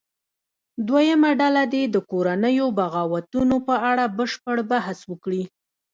دویمه ډله دې د کورنیو بغاوتونو په اړه بشپړ بحث وکړي.